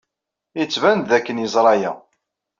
Yettban-d dakken yeẓra aya.